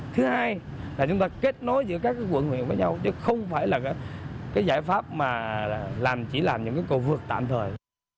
thứ hai là chúng ta kết nối giữa các quận huyện với nhau chứ không phải là cái giải pháp mà làm chỉ làm những cái cầu vượt tạm thời